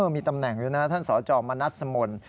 มีตำแหน่งอยู่นะท่านสจมนัสสมนต์